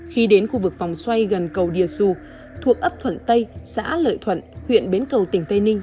khi đến khu vực vòng xoay gần cầu địa xu thuộc ấp thuận tây xã lợi thuận huyện bến cầu tỉnh tây ninh